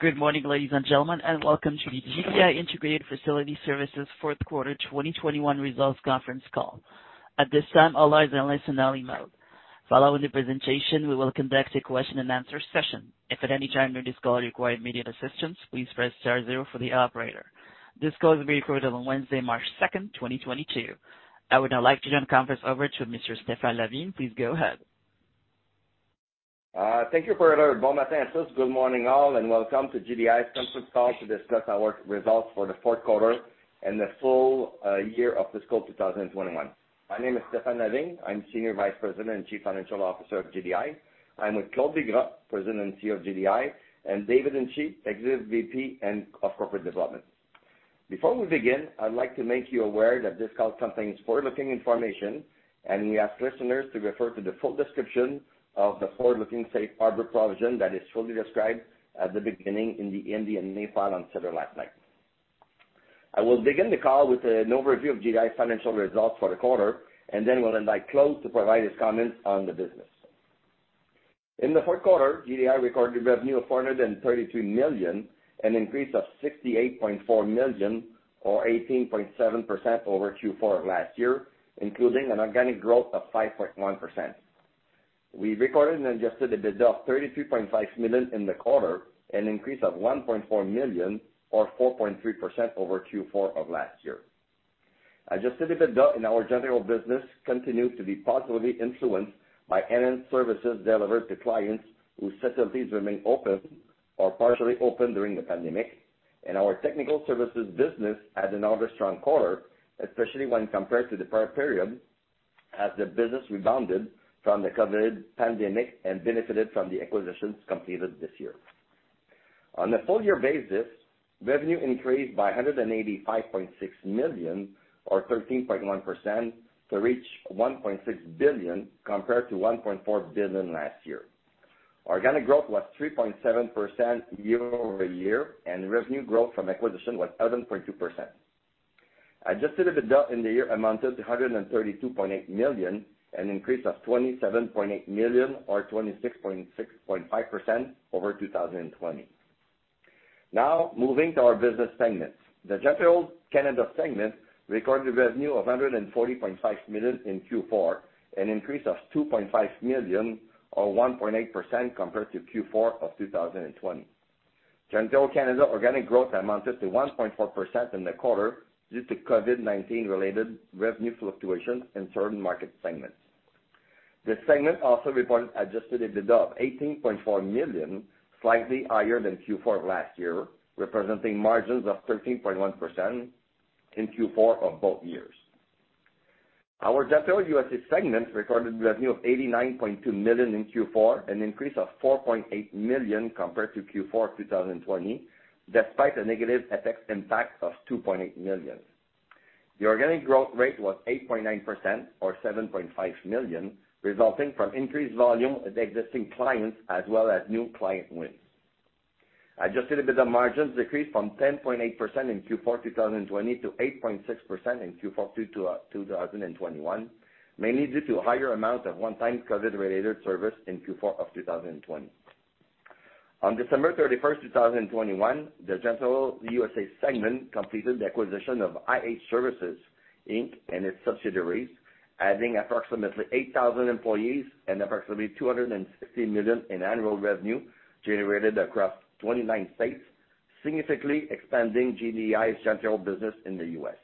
Good morning, ladies and gentlemen, and welcome to the GDI Integrated Facility Services fourth quarter 2021 results conference call. At this time, all lines are in listen-only mode. Following the presentation, we will conduct a question and answer session. If at any time during this call you require immediate assistance, please press star zero for the operator. This call is being recorded on Wednesday, March 2, 2022. I would now like to turn the conference over to Mr. Stéphane Lavigne. Please go ahead. Good morning all, and welcome to GDI's conference call to discuss our results for the fourth quarter and the full year of fiscal 2021. My name is Stéphane Lavigne. I'm Senior Vice-President and Chief Financial Officer of GDI. I'm with Claude Bigras, President and CEO of GDI, and David Hinchey, Executive Vice President of Corporate Development. Before we begin, I'd like to make you aware that this call contains forward-looking information, and we ask listeners to refer to the full description of the forward-looking safe harbor provision that is fully described at the beginning in the MD&A file on SEDAR last night. I will begin the call with an overview of GDI's financial results for the quarter and then will invite Claude to provide his comments on the business. In the fourth quarter, GDI recorded revenue of 133 million, an increase of 68.4 million or 18.7% over Q4 last year, including an organic growth of 5.1%. We recorded an adjusted EBITDA of 33.5 million in the quarter, an increase of 1.4 million or 4.3% over Q4 of last year. Adjusted EBITDA in our general business continued to be positively influenced by enhanced services delivered to clients whose facilities remain open or partially open during the pandemic. Our technical services business had another strong quarter, especially when compared to the prior period, as the business rebounded from the COVID pandemic and benefited from the acquisitions completed this year. On a full year basis, revenue increased by 185.6 million or 13.1% to reach 1.6 billion compared to 1.4 billion last year. Organic growth was 3.7% year-over-year, and revenue growth from acquisition was 11.2%. Adjusted EBITDA in the year amounted to 132.8 million, an increase of 27.8 million or 26.65% over 2020. Now, moving to our business segments. The Janitorial Canada segment recorded revenue of 140.5 million in Q4, an increase of 2.5 million or 1.8% compared to Q4 of 2020. Janitorial Canada organic growth amounted to 1.4% in the quarter due to COVID-19 related revenue fluctuations in certain market segments. This segment also reported adjusted EBITDA of 18.4 million, slightly higher than Q4 of last year, representing margins of 13.1% in Q4 of both years. Our Janitorial USA segment recorded revenue of 89.2 million in Q4, an increase of 4.8 million compared to Q4 2020, despite a negative FX impact of 2.8 million. The organic growth rate was 8.9% or 7.5 million, resulting from increased volume with existing clients as well as new client wins. Adjusted EBITDA margins decreased from 10.8% in Q4 2020 to 8.6% in Q4 2021, mainly due to higher amounts of one-time COVID-related service in Q4 of 2020. On December 31, 2021, the Janitorial USA segment completed the acquisition of IH Services, Inc. and its subsidiaries, adding approximately 8,000 employees and approximately $260 million in annual revenue generated across 29 states, significantly expanding GDI's janitorial business in the U.S.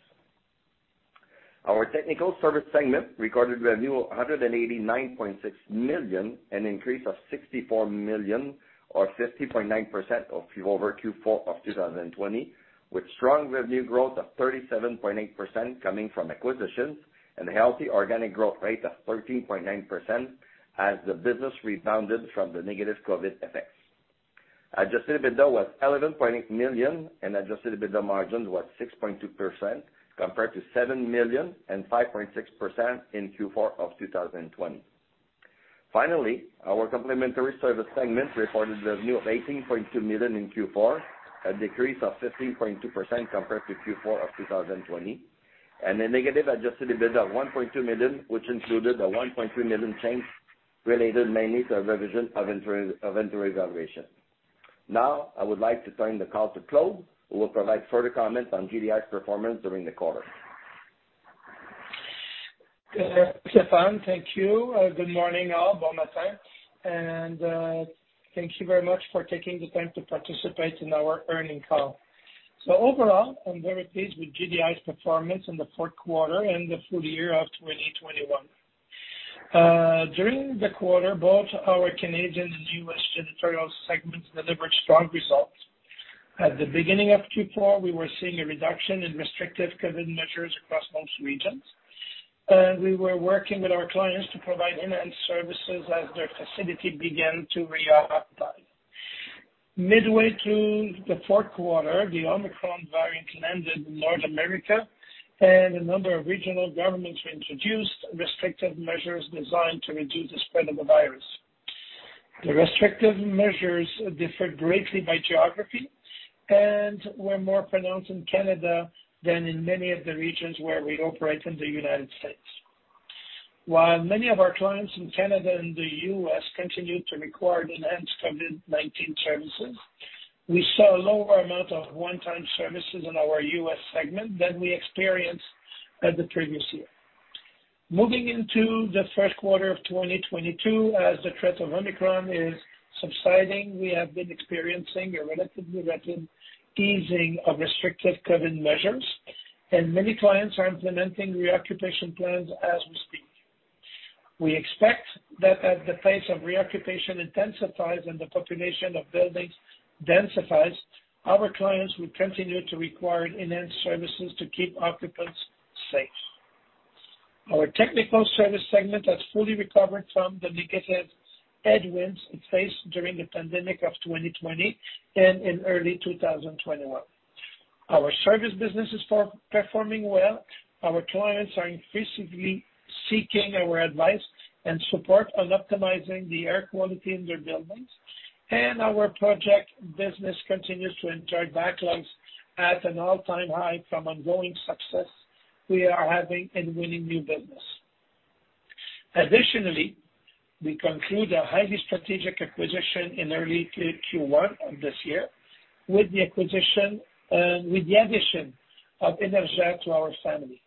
Our technical service segment recorded revenue of 189.6 million, an increase of 64 million or 50.9% over Q4 of 2020, with strong revenue growth of 37.8% coming from acquisitions and a healthy organic growth rate of 13.9% as the business rebounded from the negative COVID effects. Adjusted EBITDA was 11.8 million, and adjusted EBITDA margins was 6.2% compared to 7 million and 5.6% in Q4 of 2020. Finally, our Complementary Services segment reported revenue of 18.2 million in Q4, a decrease of 15.2% compared to Q4 of 2020, and a negative adjusted EBITDA of 1.2 million, which included a 1.3 million change related mainly to a revision of inventory valuation. Now, I would like to turn the call to Claude, who will provide further comments on GDI's performance during the quarter. Stéphane, thank you. Good morning all. Thank you very much for taking the time to participate in our earnings call. Overall, I'm very pleased with GDI's performance in the fourth quarter and the full year of 2021. During the quarter, both our Canadian and U.S. janitorial segments delivered strong results. At the beginning of Q4, we were seeing a reduction in restrictive COVID measures across most regions. We were working with our clients to provide enhanced services as their facility began to reoccupy. Midway through the fourth quarter, the Omicron variant landed in North America, and a number of regional governments introduced restrictive measures designed to reduce the spread of the virus. The restrictive measures differed greatly by geography and were more pronounced in Canada than in many of the regions where we operate in the United States. While many of our clients in Canada and the U.S. continued to require enhanced COVID-19 services, we saw a lower amount of one-time services in our U.S. segment than we experienced at the previous year. Moving into the first quarter of 2022, as the threat of Omicron is subsiding, we have been experiencing a relatively rapid easing of restrictive COVID measures, and many clients are implementing reoccupation plans as we speak. We expect that as the pace of reoccupation intensifies and the population of buildings densifies, our clients will continue to require enhanced services to keep occupants safe. Our technical service segment has fully recovered from the negative headwinds it faced during the pandemic of 2020 and in early 2021. Our service business is performing well. Our clients are increasingly seeking our advice and support on optimizing the air quality in their buildings, and our project business continues to enjoy backlogs at an all-time high from ongoing success we are having in winning new business. Additionally, we conclude a highly strategic acquisition in early Q1 of this year with the addition of Énergir to our family.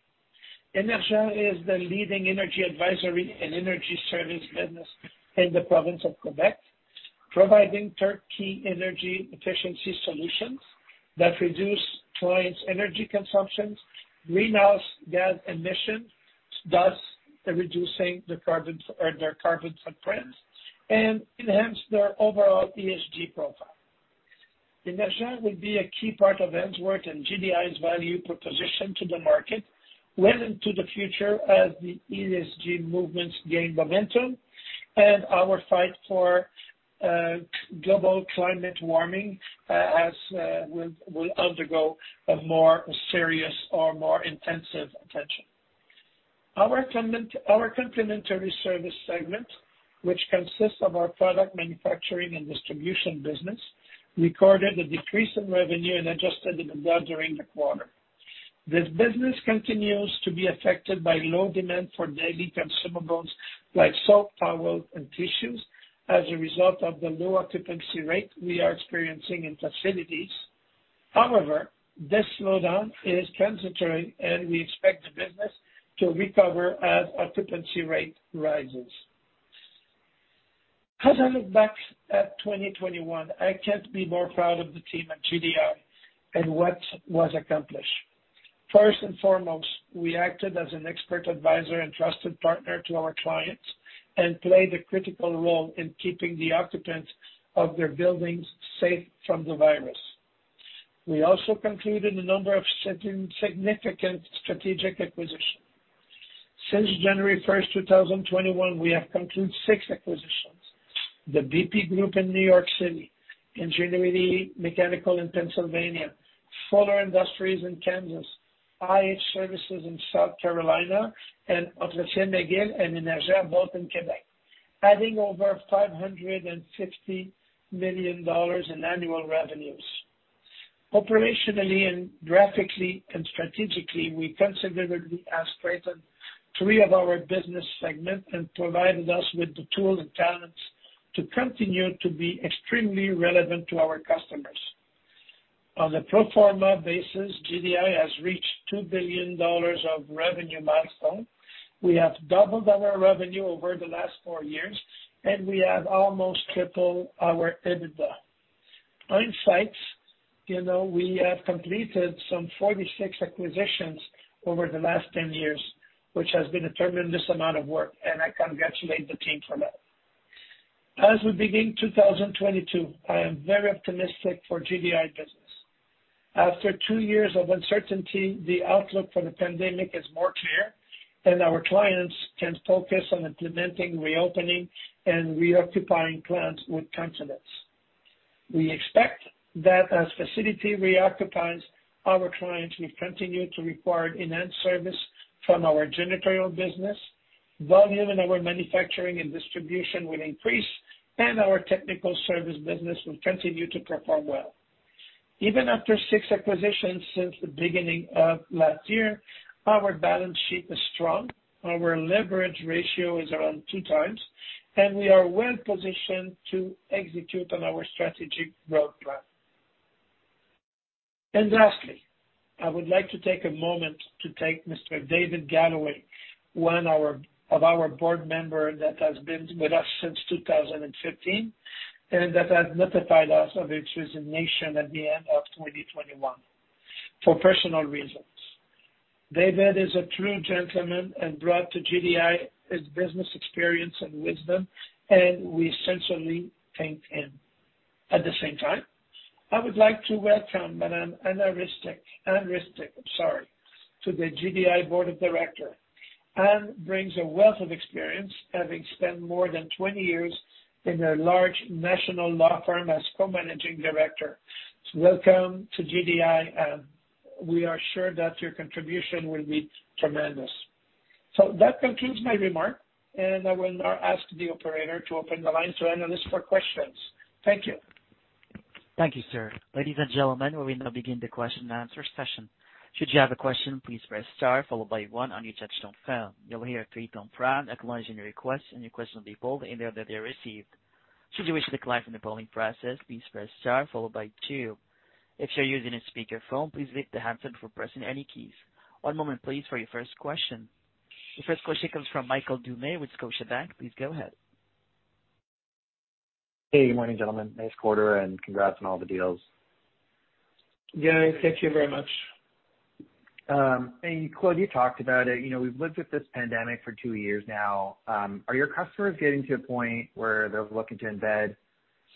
Énergir is the leading energy advisory and energy service business in the province of Quebec, providing turnkey energy efficiency solutions that reduce clients' energy consumptions, reduce gas emissions, thus reducing their carbon footprints and enhance their overall ESG profile. Ainsworth will be a key part of Ainsworth and GDI's value proposition to the market well into the future as the ESG movements gain momentum and our fight for global climate warming as will undergo a more serious or more intensive attention. Our Complementary Services segment, which consists of our product manufacturing and distribution business, recorded a decrease in revenue and adjusted EBITDA during the quarter. This business continues to be affected by low demand for daily consumables like soap, towels, and tissues as a result of the low occupancy rate we are experiencing in facilities. However, this slowdown is transitory, and we expect the business to recover as occupancy rate rises. As I look back at 2021, I can't be more proud of the team at GDI and what was accomplished. First and foremost, we acted as an expert advisor and trusted partner to our clients and played a critical role in keeping the occupants of their buildings safe from the virus. We also concluded a number of significant strategic acquisitions. Since January 1, 2021, we have concluded 6 acquisitions: The BPAC Group in New York City, Enginuity in Pennsylvania, Fuller Industries in Kansas, IH Services in South Carolina, and and Énergir both in Quebec, adding over 550 million dollars in annual revenues. Operationally and geographically and strategically, we considerably have strengthened three of our business segments and provided us with the tools and talents to continue to be extremely relevant to our customers. On a pro forma basis, GDI has reached 2 billion dollars of revenue milestone. We have doubled our revenue over the last 4 years, and we have almost tripled our EBITDA. On sites, you know, we have completed some 46 acquisitions over the last 10 years, which has been a tremendous amount of work, and I congratulate the team for that. As we begin 2022, I am very optimistic for GDI business. After two years of uncertainty, the outlook for the pandemic is more clear, and our clients can focus on implementing reopening and reoccupying plans with confidence. We expect that as facility reoccupies, our clients will continue to require enhanced service from our janitorial business, volume in our manufacturing and distribution will increase, and our technical service business will continue to perform well. Even after 6 acquisitions since the beginning of last year, our balance sheet is strong, our leverage ratio is around 2x, and we are well-positioned to execute on our strategic growth plan. Lastly, I would like to take a moment to thank Mr. David Galloway, one of our board member that has been with us since 2015, and that has notified us of his resignation at the end of 2021 for personal reasons. David is a true gentleman and brought to GDI his business experience and wisdom, and we sincerely thank him. At the same time, I would like to welcome Madam Anne Ristic, I'm sorry, to the GDI board of directors. Anne brings a wealth of experience, having spent more than 20 years in a large national law firm as co-managing director. Welcome to GDI, Anne. We are sure that your contribution will be tremendous. That concludes my remark, and I will now ask the operator to open the lines to analysts for questions. Thank you. Thank you, sir. Ladies and gentlemen, we will now begin the question and answer session. Should you have a question, please press star followed by one on your touchtone phone. You'll hear a three-tone prompt acknowledging your request, and your question will be pulled in the order they are received. Should you wish to decline from the polling process, please press star followed by two. If you're using a speaker phone, please lift the handset before pressing any keys. One moment please for your first question. The first question comes from Michael Dumais with Scotiabank. Please go ahead. Hey, good morning, gentlemen. Nice quarter and congrats on all the deals. Yeah, thank you very much. Claude, you talked about it, you know, we've lived with this pandemic for two years now. Are your customers getting to a point where they're looking to embed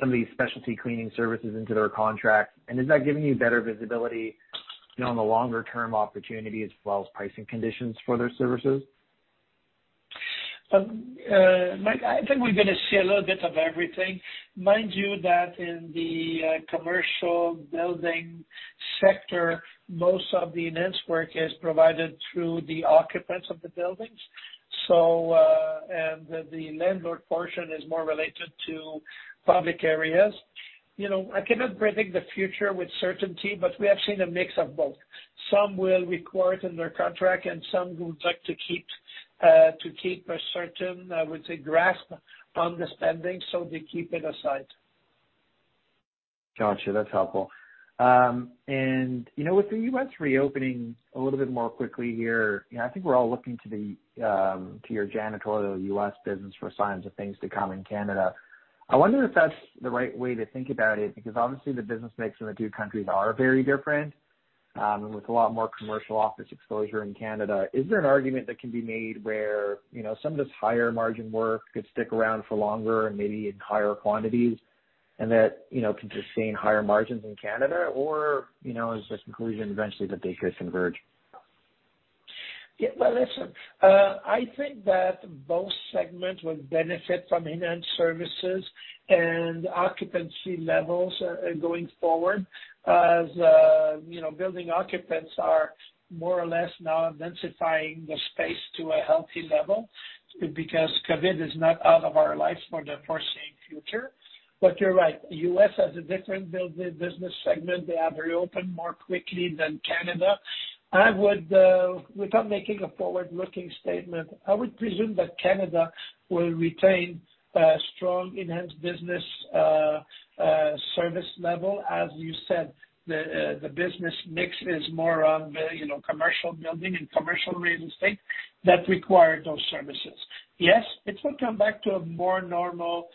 some of these specialty cleaning services into their contracts? Is that giving you better visibility, you know, on the longer term opportunities as well as pricing conditions for their services? Mike, I think we are going to see a little bit of everything. Mind you that in the commercial building sector, most of the enhanced work is provided through the occupants of the buildings. The landlord portion is more related to public areas. You know, I cannot predict the future with certainty, but we have seen a mix of both. Some will require it in their contract and some would like to keep a certain, I would say, grasp on the spending, so they keep it aside. Got you. That's helpful. You know, with the U.S. reopening a little bit more quickly here, you know, I think we're all looking to your Janitorial USA business for signs of things to come in Canada. I wonder if that's the right way to think about it, because obviously the business mix in the two countries are very different, and with a lot more commercial office exposure in Canada, is there an argument that can be made where, you know, some of this higher margin work could stick around for longer and maybe in higher quantities, and that, you know, could just see higher margins in Canada? Or, you know, is the conclusion eventually that they could converge? Yeah. Well, listen, I think that both segments will benefit from enhanced services and occupancy levels going forward, as you know, building occupants are more or less now densifying the space to a healthy level because COVID is not out of our lives for the foreseeable future. You're right, U.S. has a different build business segment. They have reopened more quickly than Canada. I would, without making a forward-looking statement, I would presume that Canada will retain a strong enhanced business service level. As you said, the business mix is more on the, you know, commercial building and commercial real estate that require those services. Yes, it will come back to a more normal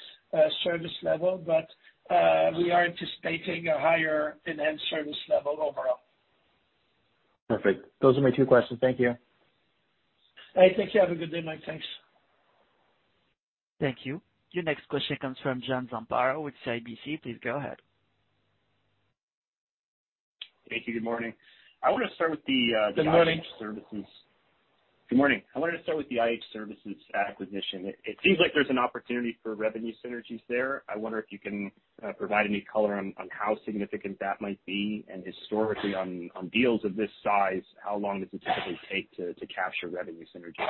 service level, but we are anticipating a higher enhanced service level overall. Perfect. Those are my two questions. Thank you. Hey, thank you. Have a good day, Mike. Thanks. Thank you. Your next question comes from John Zamparo with CIBC. Please go ahead. Thank you. Good morning. I want to start with the Good morning. IH Services. Good morning. I wanted to start with the IH Services acquisition. It seems like there's an opportunity for revenue synergies there. I wonder if you can provide any color on how significant that might be, and historically on deals of this size, how long does it typically take to capture revenue synergies?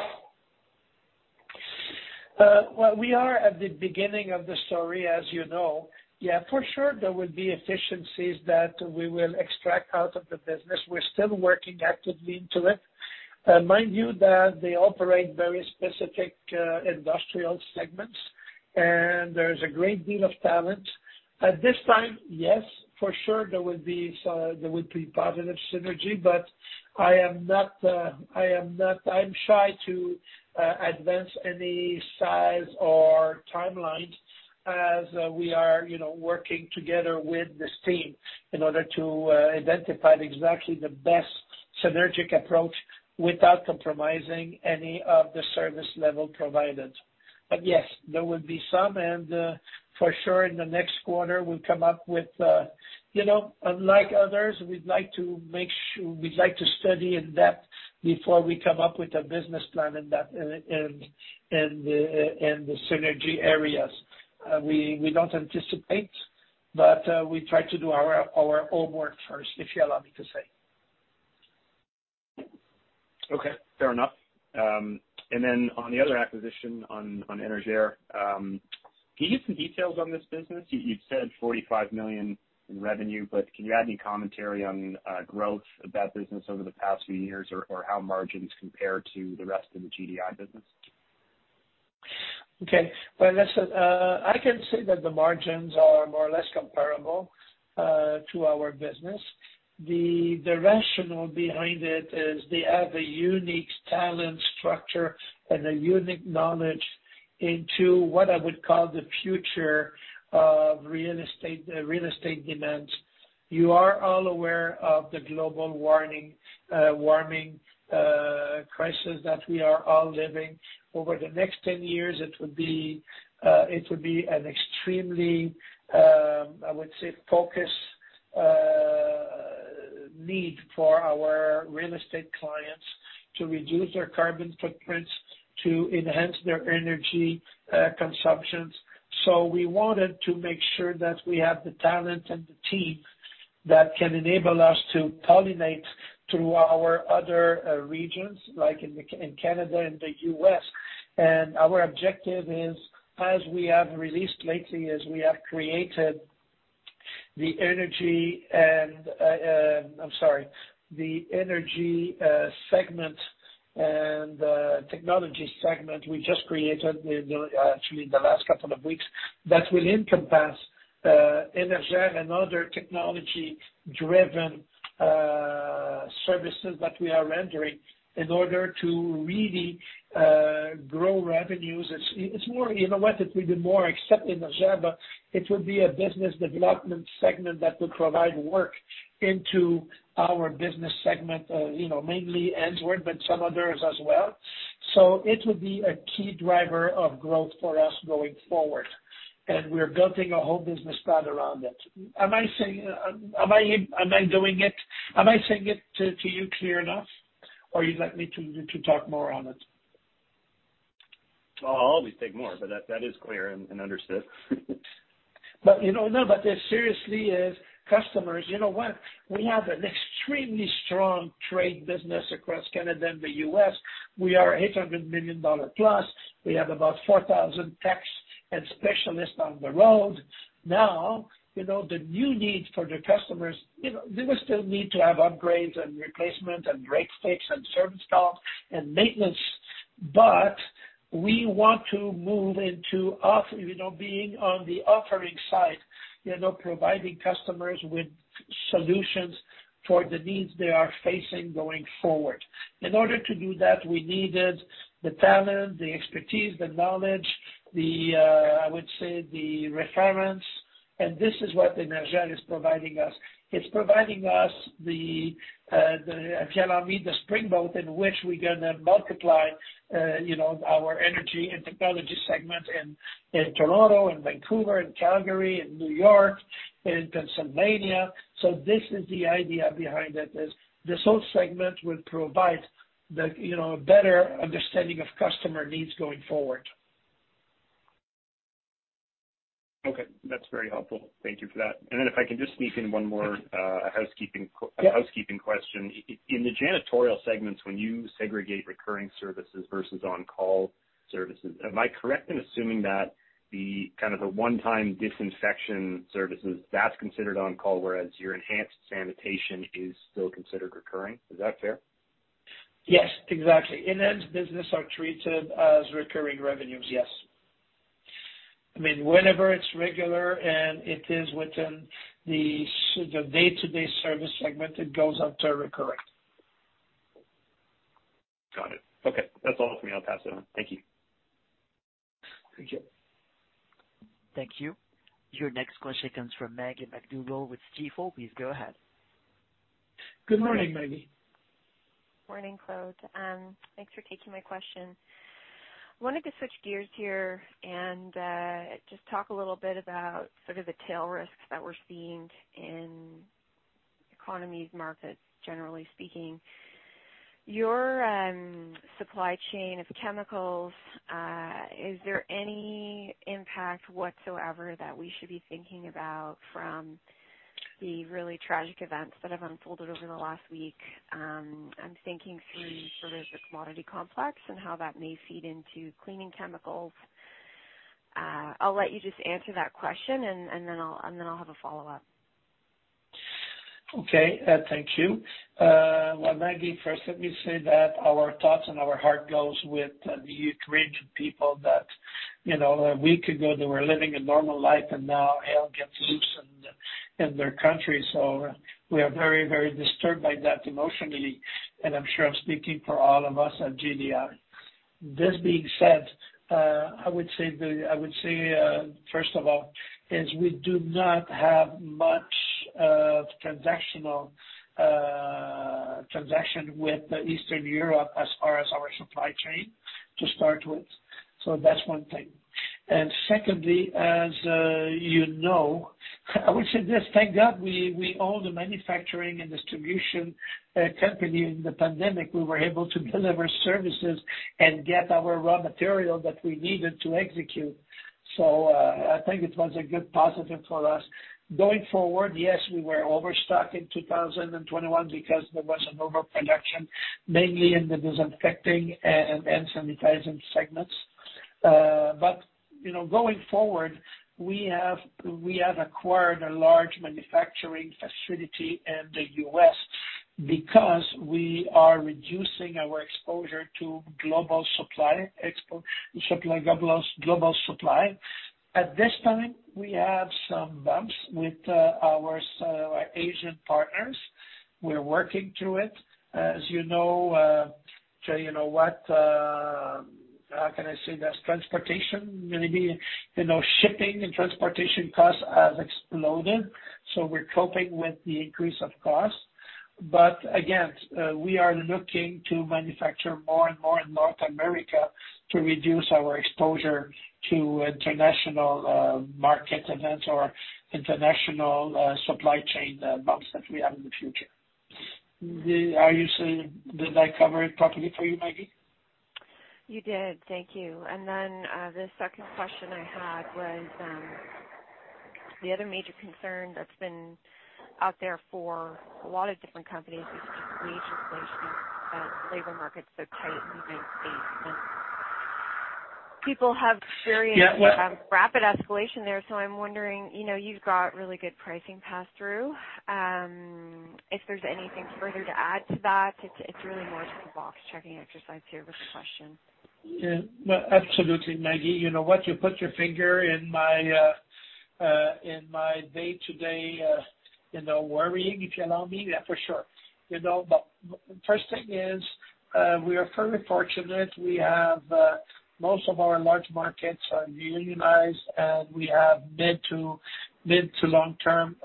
We are at the beginning of the story, as you know. For sure there will be efficiencies that we will extract out of the business. We're still working actively on it. Mind you that they operate very specific industrial segments, and there's a great deal of talent. At this time, yes, for sure there will be some, there will be positive synergy, but I'm shy to advance any size or timelines as we are, you know, working together with this team in order to identify exactly the best synergistic approach without compromising any of the service level provided. Yes, there will be some, and for sure in the next quarter we'll come up with. You know, unlike others, we'd like to study in depth before we come up with a business plan in the synergy areas. We don't anticipate, but we try to do our homework first, if you allow me to say. Okay, fair enough. On the other acquisition on Énergère, can you give some details on this business? You've said 45 million in revenue, but can you add any commentary on growth of that business over the past few years or how margins compare to the rest of the GDI business? Okay. Well, listen, I can say that the margins are more or less comparable to our business. The rationale behind it is they have a unique talent structure and a unique knowledge into what I would call the future of real estate demands. You are all aware of the global warming crisis that we are all living. Over the next 10 years, it will be an extremely focused need for our real estate clients to reduce their carbon footprints to enhance their energy efficiency. We wanted to make sure that we have the talent and the team that can enable us to penetrate through our other regions like in Canada and the U.S. Our objective is, as we have released lately, we have created the energy segment and technology segment we just created actually in the last couple of weeks, that will encompass Énergère and other technology-driven services that we are rendering in order to really grow revenues. It's more, you know what? It will be more than just Énergère. It will be a business development segment that will provide work into our business segment, you know, mainly Ainsworth, but some others as well. It will be a key driver of growth for us going forward, and we're building a whole business plan around it. Am I saying it clearly enough to you or would you like me to talk more on it? I'll always take more, but that is clear and understood. Seriously, it's customers. You know what? We have an extremely strong trade business across Canada and the U.S. We are 800 million dollar plus. We have about 4,000 techs and specialists on the road. Now, you know, the new needs for the customers, you know, they will still need to have upgrades and replacement and break fixes and service calls and maintenance, but we want to move into, you know, being on the offering side, you know, providing customers with solutions for the needs they are facing going forward. In order to do that, we needed the talent, the expertise, the knowledge, the, I would say the reference, and this is what Énergère is providing us. It's providing us the, if you allow me, the springboard in which we're going to multiply, you know, our energy and technology segment in Toronto and Vancouver and Calgary and New York and Pennsylvania. This is the idea behind it, is this whole segment will provide the, you know, better understanding of customer needs going forward. Okay. That's very helpful. Thank you for that. If I can just sneak in one more, housekeeping qu- Yeah. A housekeeping question. In the janitorial segments, when you segregate recurring services versus on-call services, am I correct in assuming that the kind of the one-time disinfection services, that's considered on-call, whereas your enhanced sanitation is still considered recurring? Is that fair? Yes, exactly. In-house business are treated as recurring revenues, yes. I mean, whenever it's regular and it is within the day-to-day service segment, it goes out to a recurrent. Got it. Okay. That's all for me. I'll pass it on. Thank you. Thank you. Thank you. Your next question comes from Maggie MacDougall with Stifel. Please go ahead. Good morning, Maggie. Morning, Claude. Thanks for taking my question. I wanted to switch gears here and just talk a little bit about sort of the tail risks that we're seeing in economies, markets, generally speaking. Your supply chain of chemicals, is there any impact whatsoever that we should be thinking about from the really tragic events that have unfolded over the last week? I'm thinking through sort of the commodity complex and how that may feed into cleaning chemicals. I'll let you just answer that question and then I'll have a follow-up. Okay. Thank you. Well, Maggie, first let me say that our thoughts and our heart goes with the Ukrainian people that, you know, a week ago they were living a normal life and now hell gets loosed in their country. We are very, very disturbed by that emotionally, and I'm sure I'm speaking for all of us at GDI. This being said, I would say, first of all, we do not have much transaction with Eastern Europe as far as our supply chain to start with. That's one thing. Secondly, you know, I would say this, thank God we own the manufacturing and distribution company in the pandemic. We were able to deliver services and get our raw material that we needed to execute. I think it was a good positive for us. Going forward, yes, we were overstocked in 2021 because there was an overproduction, mainly in the disinfecting and sanitizing segments. You know, going forward, we have acquired a large manufacturing facility in the U.S. because we are reducing our exposure to global supply. At this time, we have some bumps with our Asian partners. We're working through it. As you know, you know what, how can I say this? Transportation. Maybe, you know, shipping and transportation costs have exploded, so we're coping with the increase of costs. Again, we are looking to manufacture more and more in North America to reduce our exposure to international market events or international supply chain bumps that we have in the future. Are you saying? Did I cover it properly for you, Maggie? You did. Thank you. Then the second question I had was the other major concern that's been out there for a lot of different companies is just wage inflation and labor markets so tight in the United States. People have serious- Yeah. Rapid escalation there. I'm wondering, you know, you've got really good pricing pass through. If there's anything further to add to that, it's really more just a box checking exercise here with the question. Yeah. Well, absolutely, Maggie. You know what? You put your finger in my day-to-day, you know, worrying, if you allow me. Yeah, for sure. You know, first thing is, we are fairly fortunate. We have most of our large markets are unionized, and we have mid- to long-term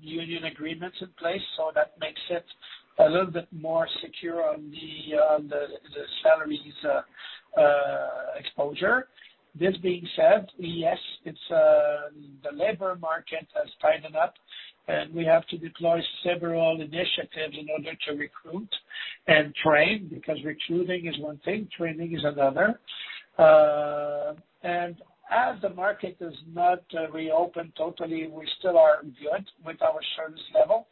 union agreements in place. So that makes it a little bit more secure on the salaries exposure. This being said, yes, it's the labor market has tightened up, and we have to deploy several initiatives in order to recruit and train because recruiting is one thing, training is another. And as the market does not reopen totally, we still are good with our service level.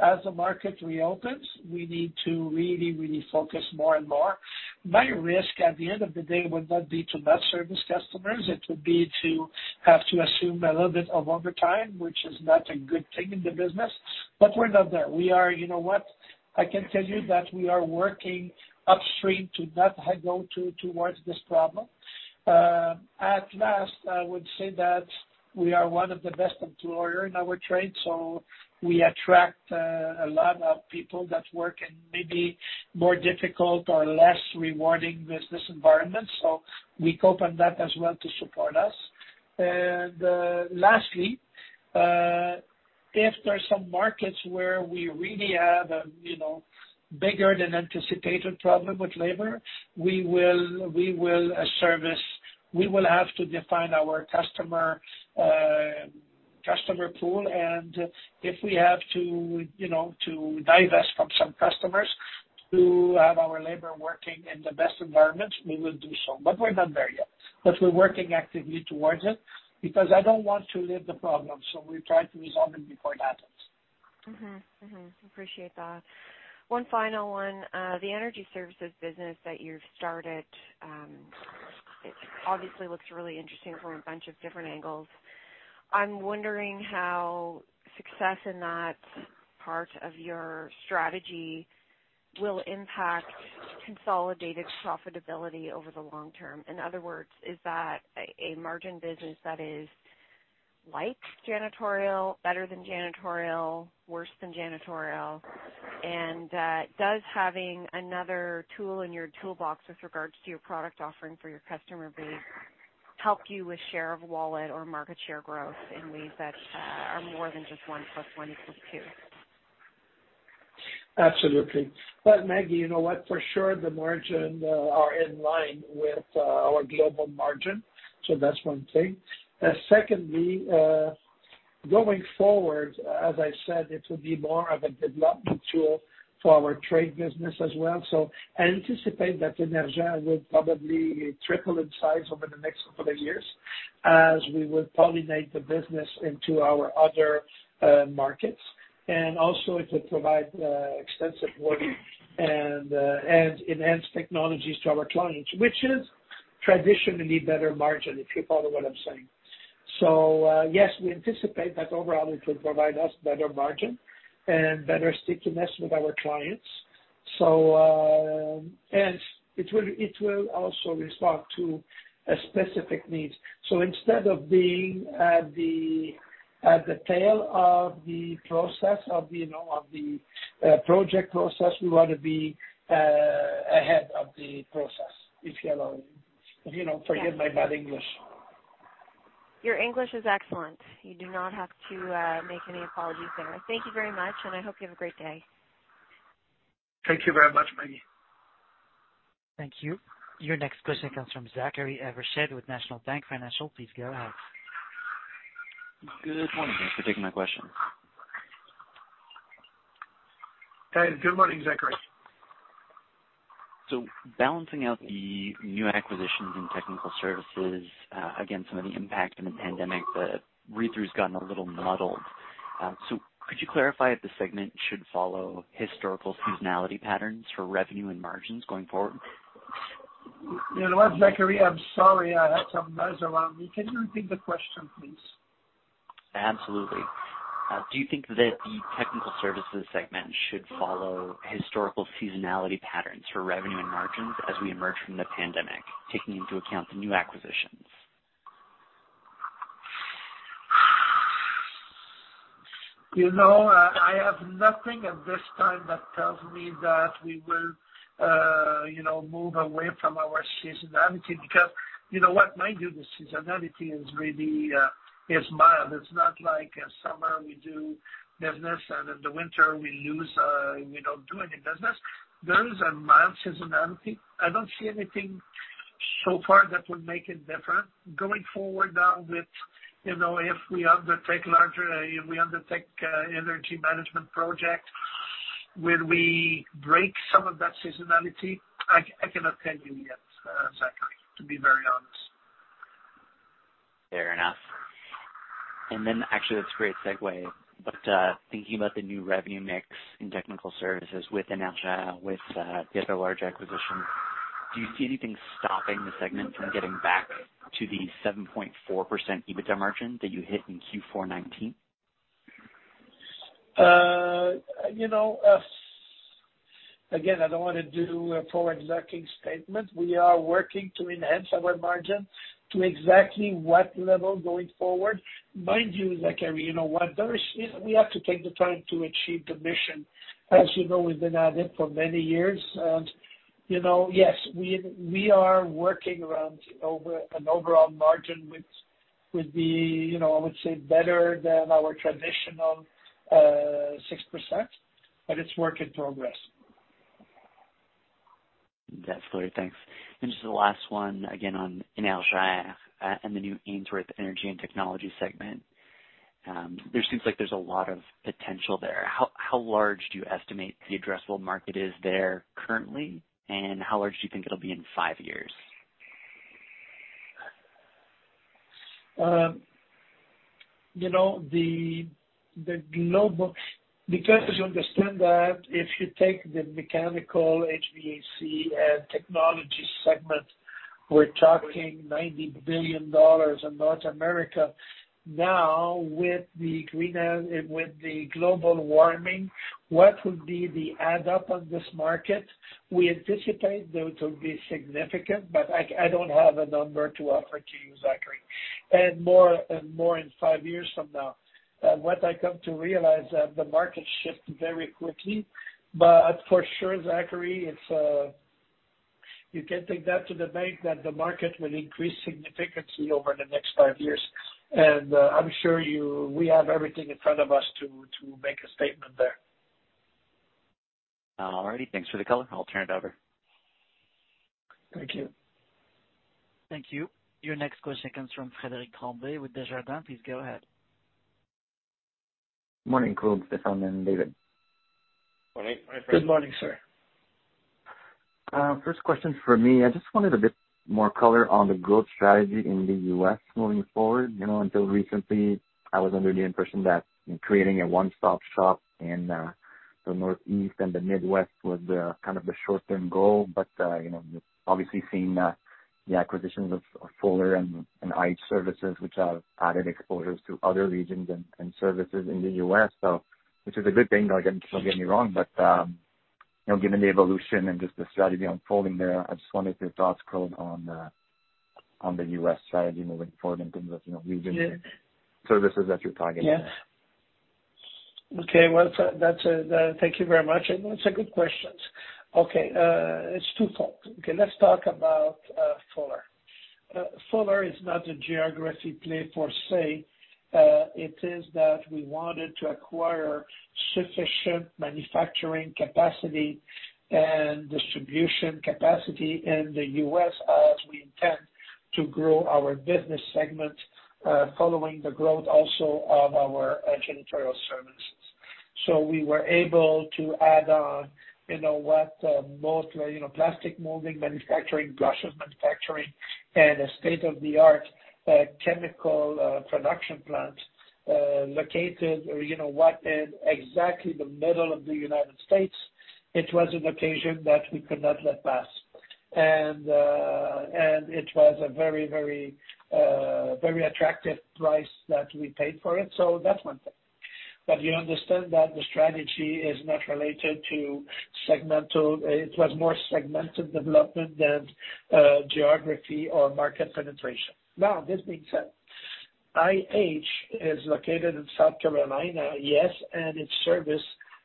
As the market reopens, we need to really focus more and more. My risk at the end of the day would not be to not service customers, it would be to have to assume a little bit of overtime, which is not a good thing in the business. We're not there. You know what? I can tell you that we are working upstream to not go towards this problem. At least, I would say that we are one of the best employers in our trade, so we attract a lot of people that work in maybe more difficult or less rewarding business environments. We count on that as well to support us. Lastly, if there are some markets where we really have a, you know, bigger than anticipated problem with labor, we will service. We will have to define our customer customer pool. If we have to, you know, to divest from some customers to have our labor working in the best environments, we will do so. We're not there yet. We're working actively towards it because I don't want to live the problem, so we try to resolve it before it happens. Mm-hmm. Mm-hmm. Appreciate that. One final one. The energy services business that you've started, it obviously looks really interesting from a bunch of different angles. I'm wondering how success in that part of your strategy will impact consolidated profitability over the long term. In other words, is that a margin business that is like janitorial, better than janitorial, worse than janitorial? Does having another tool in your toolbox with regards to your product offering for your customer base help you with share of wallet or market share growth in ways that are more than just one plus one equals two? Absolutely. Maggie, you know what? For sure, the margin are in line with our global margin. That's one thing. Secondly, going forward, as I said, it will be more of a development tool for our trade business as well. I anticipate that Énergère will probably triple in size over the next couple of years as we would pollinate the business into our other markets. Also it will provide extensive warranty and enhanced technologies to our clients, which is traditionally better margin, if you follow what I'm saying. Yes, we anticipate that overall it will provide us better margin and better stickiness with our clients. It will also respond to specific needs. Instead of being at the tail of the process, you know, of the project process, we want to be ahead of the process, if you allow me. You know, forgive my bad English. Your English is excellent. You do not have to make any apologies there. Thank you very much, and I hope you have a great day. Thank you very much, Maggie. Thank you. Your next question comes from Zachary Evershed with National Bank Financial. Please go ahead. Good morning. Thanks for taking my question. Hey, good morning, Zachary. Balancing out the new acquisitions in technical services, against some of the impact from the pandemic, the read-through's gotten a little muddled. Could you clarify if the segment should follow historical seasonality patterns for revenue and margins going forward? You know what, Zachary? I'm sorry. I had some noise around me. Can you repeat the question, please? Absolutely. Do you think that the technical services segment should follow historical seasonality patterns for revenue and margins as we emerge from the pandemic, taking into account the new acquisitions? You know, I have nothing at this time that tells me that we will, you know, move away from our seasonality because you know what? Mind you, the seasonality is really mild. It's not like in summer we do business and in the winter we lose, we don't do any business. There is a mild seasonality. I don't see anything so far that would make it different. Going forward now with, you know, if we undertake larger energy management project, will we break some of that seasonality? I cannot tell you yet, Zachary, to be very honest. Fair enough. Actually that's a great segue, but thinking about the new revenue mix in technical services with Ainsworth, with the other large acquisition, do you see anything stopping the segment from getting back to the 7.4% EBITDA margin that you hit in Q4 2019? You know, again, I don't want to do a forward-looking statement. We are working to enhance our margin to exactly what level going forward. Mind you, Zachary, you know what? We have to take the time to achieve the mission. As you know, we've been at it for many years. You know, yes, we are working on our overall margin, which would be, you know, I would say better than our traditional 6%, but it's work in progress. Definitely. Thanks. Just the last one again on Énergère and the new Ainsworth Energy and Technology segment. There seems like there's a lot of potential there. How large do you estimate the addressable market is there currently, and how large do you think it'll be in five years? You know, because you understand that if you take the mechanical HVAC and technology segment, we're talking $90 billion in North America. Now, with the global warming, what would be the add up on this market? We anticipate that it will be significant, but I don't have a number to offer to you, Zachary. More in five years from now. What I come to realize that the market shift very quickly, but for sure, Zachary, you can take that to the bank that the market will increase significantly over the next five years. I'm sure we have everything in front of us to make a statement there. All righty. Thanks for the color. I'll turn it over. Thank you. Thank you. Your next question comes from Frederic Tremblay with Desjardins. Please go ahead. Morning, Claude, Stéphane and David. Morning, my friend. Good morning, sir. First question for me. I just wanted a bit more color on the growth strategy in the U.S. moving forward. You know, until recently I was under the impression that creating a one-stop shop in the Northeast and the Midwest was the kind of the short-term goal. You know, obviously seeing the acquisitions of Fuller and IH Services, which have added exposures to other regions and services in the U.S. Which is a good thing, don't get me wrong, but you know, given the evolution and just the strategy unfolding there, I just wondered your thoughts, Claude, on the U.S. strategy moving forward in terms of, you know, regions- Yeah. services that you're targeting. Yeah. Okay. Well, thank you very much. It's a good question. Okay. It's twofold. Okay, let's talk about Fuller. Fuller is not a geography play per se. It is that we wanted to acquire sufficient manufacturing capacity and distribution capacity in the U.S. as we intend to grow our business segment, following the growth also of our janitorial services. So we were able to add on, you know what, mostly, you know, plastic molding manufacturing, brushes manufacturing and a state-of-the-art chemical production plant, located, you know what, in exactly the middle of the United States. It was an occasion that we could not let pass. And it was a very attractive price that we paid for it. So that's one thing. You understand that the strategy is not related to segmental. It was more segmented development than geography or market penetration. Now, this being said, IH is located in South Carolina, yes, and it services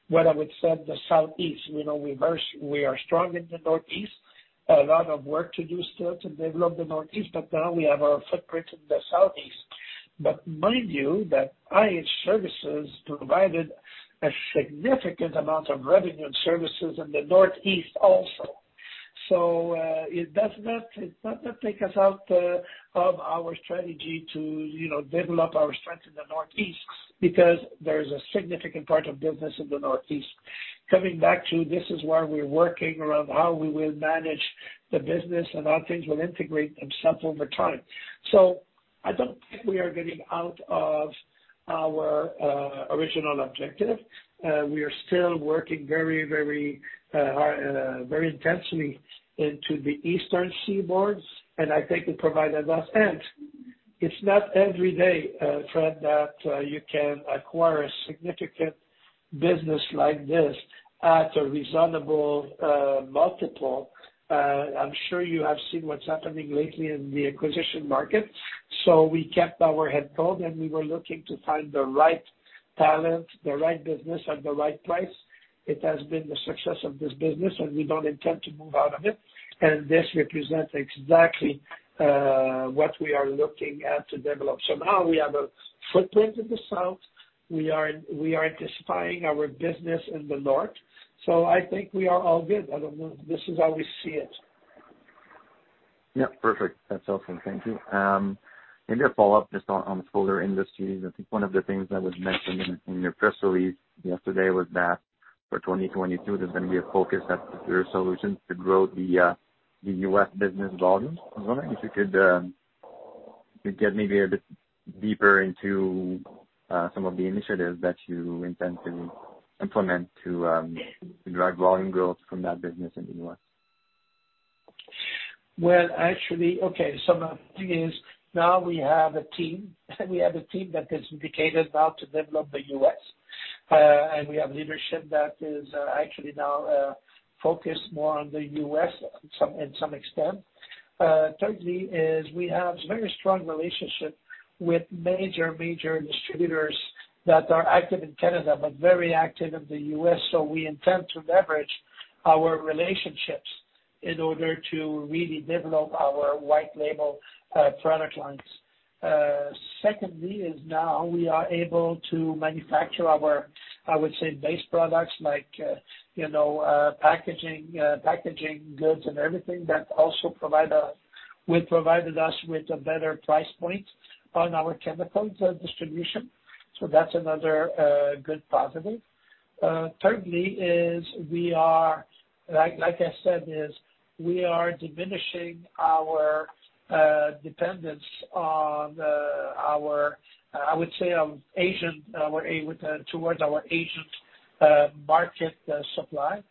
what I would say the Southeast. You know, we are strong in the Northeast. A lot of work to do still to develop the Northeast, but now we have our footprint in the Southeast. Mind you that IH Services provided a significant amount of revenue and services in the Northeast also. It does not take us out of our strategy to, you know, develop our strength in the Northeast, because there's a significant part of business in the Northeast. Coming back to this is why we're working around how we will manage the business and how things will integrate themselves over time. I don't think we are getting out of our original objective. We are still working very intensely into the eastern seaboards, and I think it provided us. It's not every day, Fred, that you can acquire a significant business like this at a reasonable multiple. I'm sure you have seen what's happening lately in the acquisition market. We kept our heads cool, and we were looking to find the right talent, the right business at the right price. It has been the success of this business, and we don't intend to move out of it. This represents exactly what we are looking at to develop. Now we have a footprint in the South. We are anticipating our business in the North. I think we are all good. I don't know. This is how we see it. Yeah, perfect. That's awesome. Thank you. Maybe a follow-up just on Fuller Industries. I think one of the things that was mentioned in your press release yesterday was that for 2022 there's going to be a focus at Complementary Services to grow the U.S. business volume. I was wondering if you could get maybe a bit deeper into some of the initiatives that you intend to implement to drive volume growth from that business in the U.S. Well, actually, okay, my thing is now we have a team that is dedicated now to develop the U.S. We have leadership that is actually now focused more on the U.S. to some extent. Thirdly, we have very strong relationship with major distributors that are active in Canada, but very active in the U.S. We intend to leverage our relationships in order to really develop our white label product lines. Secondly, now we are able to manufacture our, I would say, base products like, you know, packaging goods and everything that also provide, which provided us with a better price point on our chemical distribution. That's another good positive. Thirdly, we are... Like I said, we are diminishing our dependence on our Asian market supply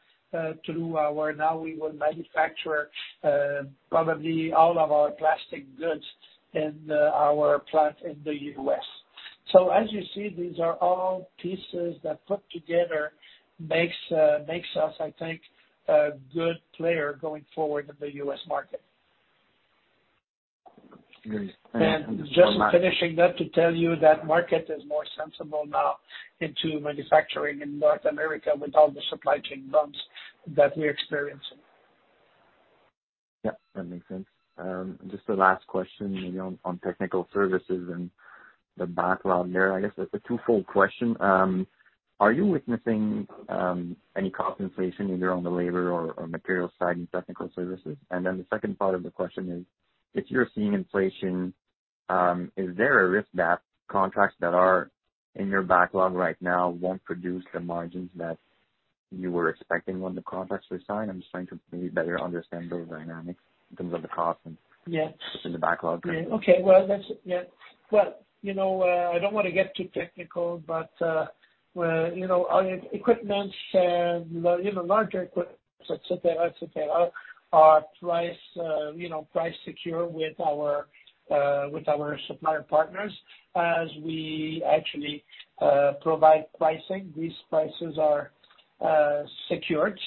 to where now we will manufacture probably all of our plastic goods in our plant in the U.S. As you see, these are all pieces that put together makes us, I think, a good player going forward in the U.S. market. Great. Thank you so much. Just finishing that to tell you that market is more sensible now into manufacturing in North America with all the supply chain bumps that we're experiencing. Yeah, that makes sense. Just a last question, you know, on technical services and the backlog there. I guess it's a twofold question. Are you witnessing any cost inflation either on the labor or material side in technical services? And then the second part of the question is, if you're seeing inflation, is there a risk that contracts that are in your backlog right now won't produce the margins that you were expecting when the contracts were signed? I'm just trying to maybe better understand those dynamics in terms of the cost and Yeah. What's in the backlog there? Okay. Well, that's it, yeah. Well, you know, I don't want to get too technical, but you know, our equipments and, you know, larger equipments, et cetera, et cetera, are price-secured with our supplier partners. As we actually provide pricing, these prices are secured.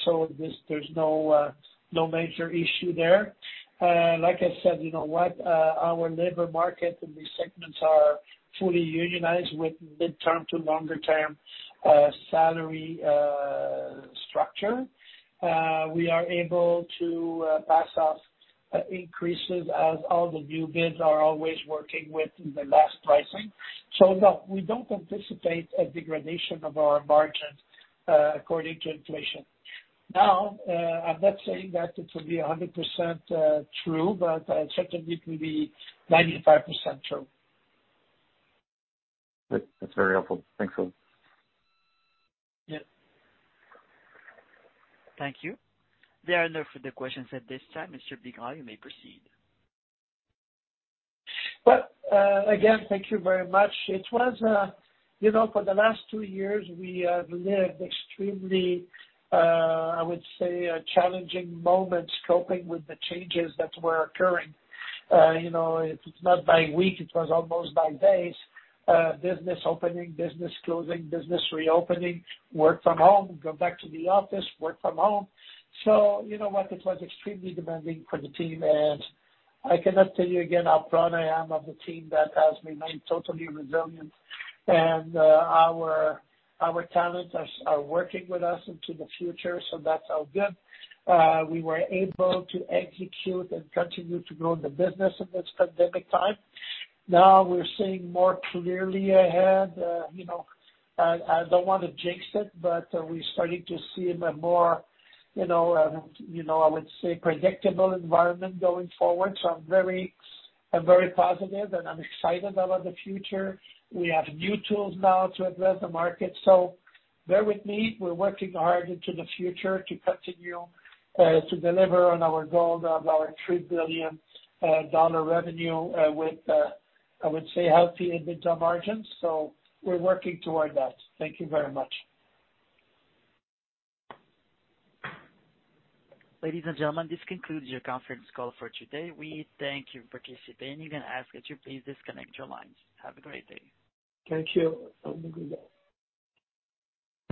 There's no major issue there. Like I said, you know what, our labor market in these segments are fully unionized with midterm to longer term salary structure. We are able to pass off increases as all the new bids are always working with the last pricing. No, we don't anticipate a degradation of our margins according to inflation. Now, I'm not saying that it will be 100% true, but certainly it will be 95% true. Good. That's very helpful. Thanks, Claude. Yeah. Thank you. There are no further questions at this time. Mr. Bigras, you may proceed. Well, again, thank you very much. It was, you know, for the last two years we have lived extremely, I would say a challenging moment coping with the changes that were occurring. You know, it's not by the week, it was almost by days. Business opening, business closing, business reopening, work from home, go back to the office, work from home. You know what? It was extremely demanding for the team, and I cannot tell you again how proud I am of the team that has remained totally resilient. Our talents are working with us into the future, so that's all good. We were able to execute and continue to grow the business in this pandemic time. Now we're seeing more clearly ahead, you know, I don't want to jinx it, but we're starting to see a more, you know, you know, I would say predictable environment going forward. I'm very positive and I'm excited about the future. We have new tools now to address the market. Bear with me, we're working hard into the future to continue to deliver on our goal of our 3 billion dollar revenue with I would say healthy EBITDA margins. We're working toward that. Thank you very much. Ladies and gentlemen, this concludes your conference call for today. We thank you for participating and ask that you please disconnect your lines. Have a great day. Thank you. Have a good day.